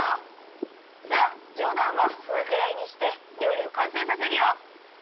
さあじょうだんはそのぐらいにしてりょうりをかんせいさせるよ！